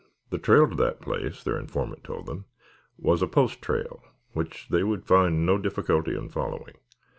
The trail to that place, their informant told them, was a post trail which they would find no difficulty in following.